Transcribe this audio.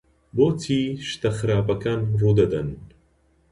بۆچی شتە خراپەکان ڕوو دەدەن؟